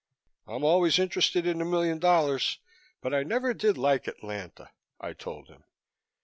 "I'm always interested in a million dollars but I never did like Atlanta," I told him.